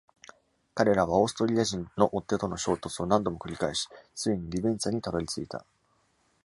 彼らはオーストリア人の追っ手との衝突を何度も繰り返し、ついにリヴェンツァにたどり着いた。